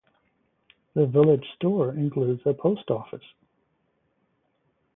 The village store includes a Post Office.